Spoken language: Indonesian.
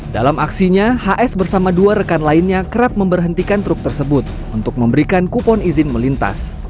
dalam aksinya hs bersama dua rekan lainnya kerap memberhentikan truk tersebut untuk memberikan kupon izin melintas